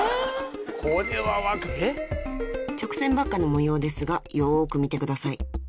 ［直線ばっかの模様ですがよく見てください］